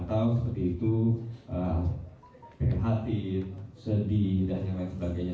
atau seperti itu hati sedih dan yang lain sebagainya